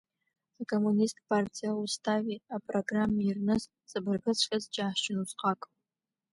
Акоммунисттә партиа Аустави апрограммеи ирныз ҵабыргыҵәҟьаз џьаҳшьон усҟак.